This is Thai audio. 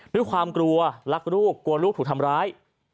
ด้วยความกลัวรักลูกกลัวลูกถูกทำร้าย